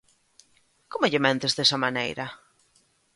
Como lle mentes desa maneira?